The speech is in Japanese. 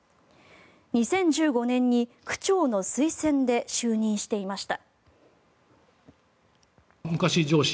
２０１５年に区長の推薦で就任していました。